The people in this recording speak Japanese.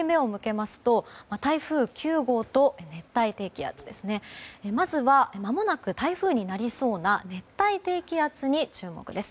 まずは、まもなく台風になりそうな熱帯低気圧に注目です。